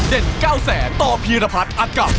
เด่น๙๐๐ตพีรพัฒน์อัตกรรม